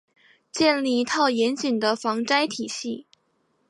建立一套严谨的防灾体系